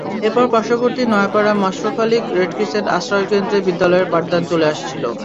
এরপর পার্শ্ববর্তী নয়াপাড়া মশরফ আলী রেডক্রিসেন্ট আশ্রয়কেন্দ্রে বিদ্যালয়ের পাঠদান চলে আসছিল।